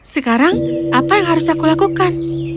sekarang apa yang harus aku lakukan